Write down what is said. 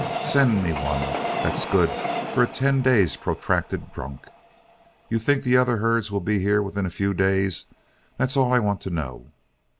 Send me one that's good for a ten days' protracted drunk. You think the other herds will be here within a few days? That's all I want to know."